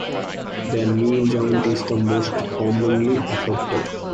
The knee joint is the most commonly affected.